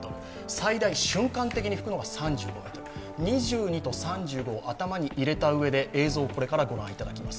最大瞬間的に吹くのが３５メートル、２２と３５を頭に入れたうえで映像をこれから御覧いただきます。